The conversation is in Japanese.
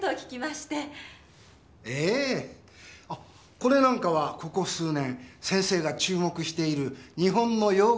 これなんかはここ数年先生が注目している日本の洋画家の絵です。